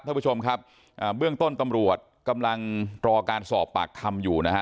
ท่านผู้ชมครับอ่าเบื้องต้นตำรวจกำลังรอการสอบปากคำอยู่นะฮะ